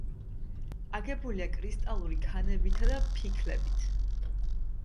აგებულია კრისტალური ქანებითა და ფიქლებით.